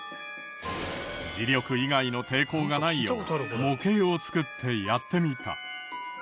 磁力以外の抵抗がないよう模型を作ってやってみた。